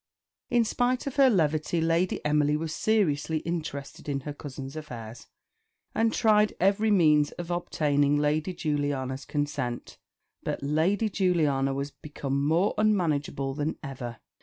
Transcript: In spite of her levity Lady Emily was seriously interested in her cousin's affairs, and tried every means of obtaining Lady Juliana's consent; but Lady Juliana was become more unmanageable than ever.